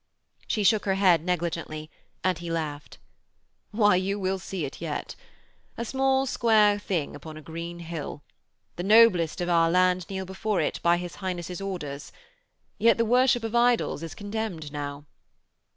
She shook her head negligently, and he laughed: 'Why, you will see it yet. A small, square thing upon a green hill. The noblest of our land kneel before it, by his Highness' orders. Yet the worship of idols is contemned now.'